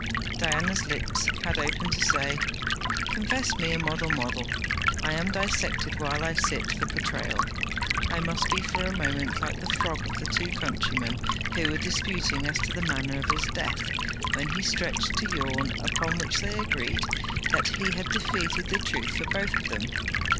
Diana's lips had opened to say: 'Confess me a model model: I am dissected while I sit for portrayal. I must be for a moment like the frog of the two countrymen who were disputing as to the manner of his death, when he stretched to yawn, upon which they agreed that he had defeated the truth for both of them.